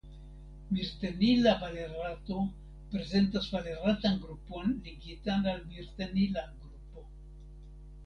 Mirtenila valerato prezentas valeratan grupon ligitan al mirtenila grupo.